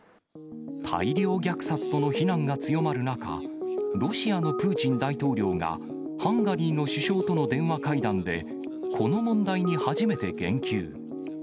大量虐殺との非難が強まる中、ロシアのプーチン大統領が、ハンガリーの首相との電話会談で、この問題に初めて言及。